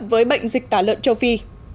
với bệnh dịch tả lợn châu phi